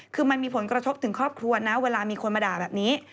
คือมันมีผลกระทบถึงครอบครัวนะเวลามีคนมาด่าแบบนี้